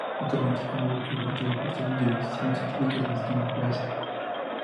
Actualmente es conocido sobre todo por su definición científica del Sistema Jurásico.